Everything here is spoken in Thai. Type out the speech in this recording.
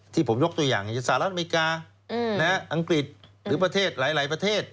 ที่ผมยกตัวอย่างอย่างสหรัฐอเมริกาอังกฤษหรือประเทศหลายประเทศ